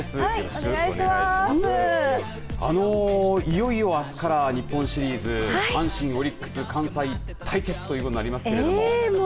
いよいよあすから日本シリーズ阪神、オリックス関西対決となりますけれども。